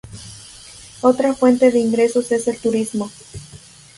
Otra fuente de ingresos es el turismo.